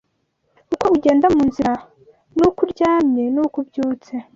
uko ugenda mu nzira, n’uko uryamye, n’uko ubyutse